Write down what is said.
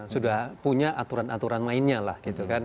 sudah punya aturan aturan lainnya lah